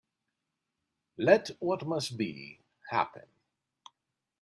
Let what must be, happen.